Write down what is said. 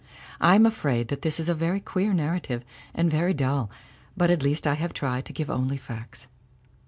I am afraid that this is a very queer narrative and very dull, but at least I have tried to give only facts.